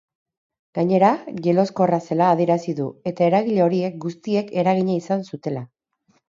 Gainera, jeloskorra zela adierazi du eta eragile horiek guztiek eragina izan zutela.